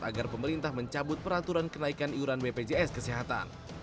agar pemerintah mencabut peraturan kenaikan iuran bpjs kesehatan